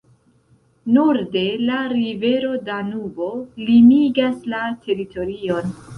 Norde la rivero Danubo limigas la teritorion.